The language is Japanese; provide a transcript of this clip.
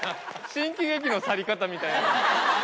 新喜劇の去り方みたいな。